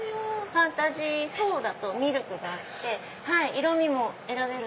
ファンタジーソーダとミルクがあって色みも選べる。